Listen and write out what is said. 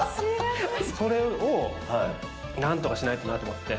それをなんとかしないとなと思って。